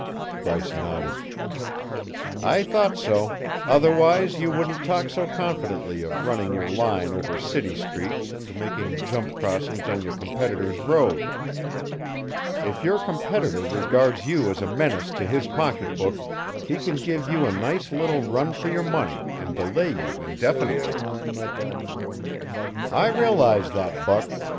Bryce nodded. "I thought so; otherwise you wouldn't talk so confidently of running your line over city streets and making jump crossings on your competitor's road. If your competitor regards you as a menace to his pocketbook, he can give you a nice little run for your money and delay you indefinitely." "I realize that, Buck.